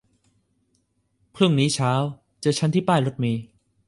พรุ่งนี้เช้าเจอฉันที่ป้ายรถเมล์